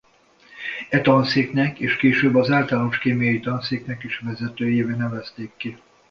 E tanszéknek és később az Általános Kémiai Tanszéknek is vezetőjévé nevezték ki.